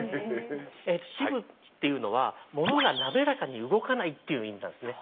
「渋」っていうのはものがなめらかに動かないっていう意味なんですね。